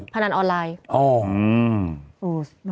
พนันออนไลน์